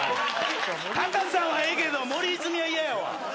貴さんはええけど森泉は嫌やわ！